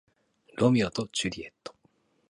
ロミオとジュリエット